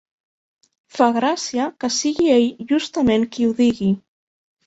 Fa gràcia que sigui ell justament qui ho digui.